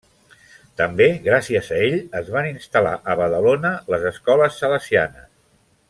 També gràcies a ell es van instal·lar a Badalona les escoles salesianes.